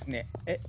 え？